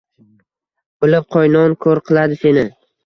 Bilib qo‘y, non ko‘r qiladi seni!